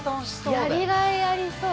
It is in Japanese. やり甲斐ありそう